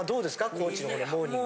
高知の方のモーニング。